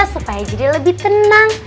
supaya jadi lebih tenang